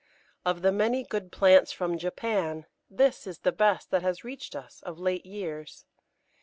Of the many good plants from Japan, this is the best that has reached us of late years.